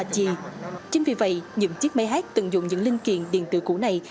chính vì vậy những chiếc máy hát tận dụng những linh kiện điện tử cũ này